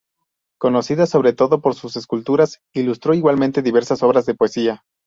Conocida sobre todo por sus esculturas, ilustró igualmente diversas obras de poesía.